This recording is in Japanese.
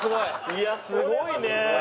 いやすごいね。